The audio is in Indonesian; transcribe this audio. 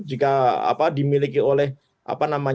jika dimiliki orang lain